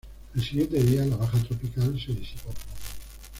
El siguiente día la baja tropical se disipó.